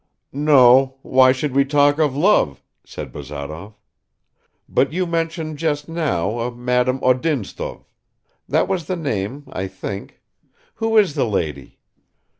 "No, why should we talk of love?" said Bazarov. "But you mentioned just now a Madame Odintsov ... That was the name, I think who is the lady?"